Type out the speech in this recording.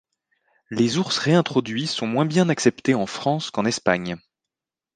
Les ours réintroduits sont moins bien acceptés en France qu'en Espagne.